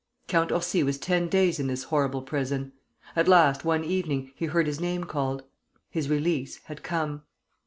Count Orsi was ten days in this horrible prison. At last one evening he heard his name called. His release had come.